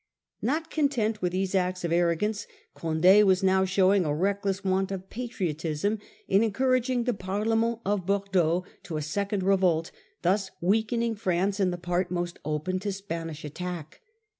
Not content with these acts of arrogance, Condd was now showing a reckless want of patriotism in encouraging the Parlement of Bordeaux to a second revolt, thus weakening France in the part most open to Spanish at tack.